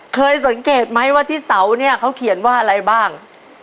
เคยสังเกตไหมว่าที่เสาเนี่ยเขาเขียนว่าอะไรบ้าง